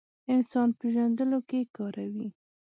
انسان پېژندلو کې کاروي.